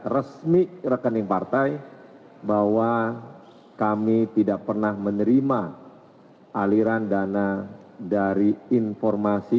resmi rekening partai bahwa kami tidak pernah menerima aliran dana dari informasi